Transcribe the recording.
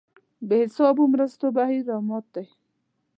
بې حسابو مرستو بهیر رامات دی.